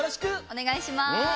おねがいします。